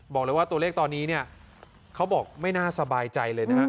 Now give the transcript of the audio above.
บอกเลยว่าตัวเลขตอนนี้เนี่ยเขาบอกไม่น่าสบายใจเลยนะฮะ